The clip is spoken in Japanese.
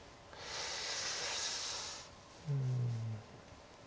うん。